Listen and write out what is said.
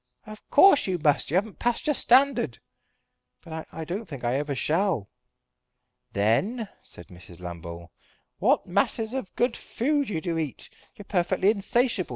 "Of course you must. You haven't passed your standard." "But I don't think that I ever shall." "Then," said Mrs. Lambole, "what masses of good food you do eat. You're perfectly insatiable.